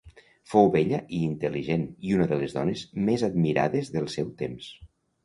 Fou bella i intel·ligent i una de les dones més admirades del seu temps.